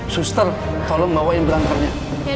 suster tolong bawain belakangnya